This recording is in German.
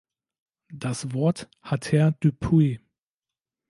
Das Wort hat Herr Dupuis.